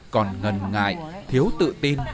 còn ngần ngại thiếu tự tin